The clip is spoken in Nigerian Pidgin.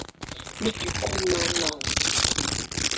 Make you come now now.